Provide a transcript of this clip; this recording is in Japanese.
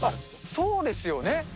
そうですよね。